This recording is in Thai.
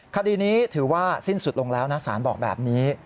คดีนี้ถือว่าสิ้นสุดลงแล้วนะสารบอกแบบนี้